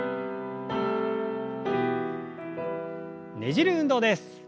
ねじる運動です。